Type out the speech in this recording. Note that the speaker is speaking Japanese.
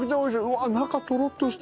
うわっ中とろっとして。